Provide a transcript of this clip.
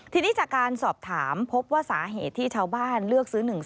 ทีนี้จากการสอบถามพบว่าสาเหตุที่ชาวบ้านเลือกซื้อ๑๒